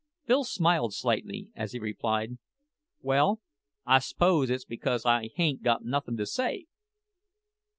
Bill smiled slightly as he replied, "Why, I s'pose it's because I hain't got nothin' to say!"